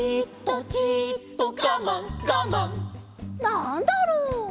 「なんだろう」